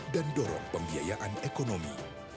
dan dorong pembiayaan ekonomi